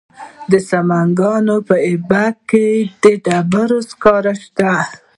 د سمنګان په ایبک کې د ډبرو سکاره شته.